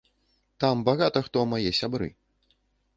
Там багата хто мае сябры.